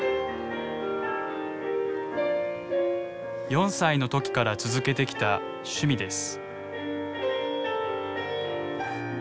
４歳の時から続けてきた趣味です。